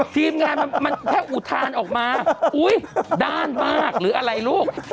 ทีมงานมันแค่อุทานออกมาอุ๊ยด้านมากหรืออะไรลูก